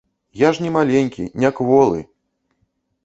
Я ж не маленькі, не кволы!